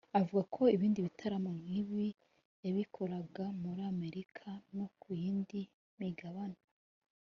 Avuga ko ibindi bitaramo nk’ibi yabikoreraga muri Amerika no ku yindi migabane